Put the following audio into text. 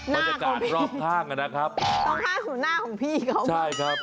บรรยากาศรอบข้างนะครับต้องห้ามสู่หน้าของพี่เขาใช่ครับ